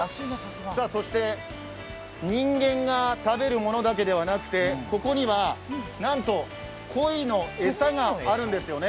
そして、人間が食べるものだけではなくて、ここには、なんとこいの餌があるんです。